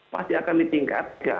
pasti akan ditingkatkan